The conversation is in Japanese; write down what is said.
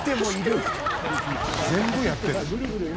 「全部やってる」